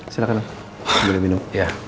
silahkan beli minum